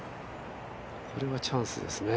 これはチャンスですね。